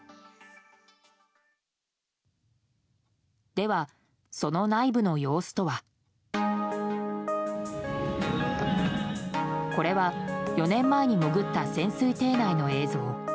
では、その内部の様子とは。これは４年前に潜った潜水艇内の映像。